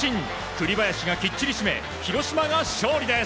栗林がきっちり締め広島が勝利です。